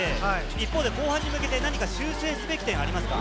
後半に向けて何か修正すべき点はありますか？